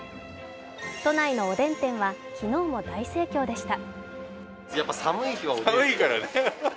都内のおでん店は昨日も大盛況でした。